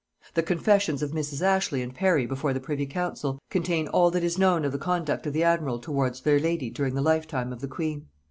The confessions of Mrs. Ashley and of Parry before the privy council, contain all that is known of the conduct of the admiral towards their lady during the lifetime of the queen.